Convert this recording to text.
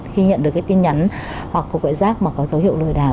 khi nhận được tin nhắn hoặc gọi giác có dấu hiệu lừa đảo